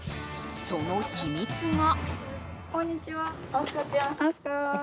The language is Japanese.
その秘密が。